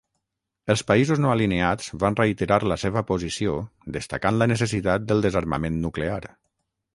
Els països no alineats van reiterar la seva posició destacant la necessitat del desarmament nuclear.